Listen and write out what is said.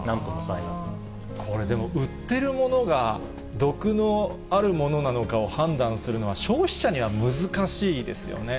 これでも、売ってるものが毒のあるものなのかを判断するのは、消費者には難しいですよね。